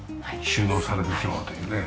収納されてしまうというね。